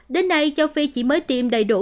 đến nay châu phi chỉ mới tiêm đầy đủ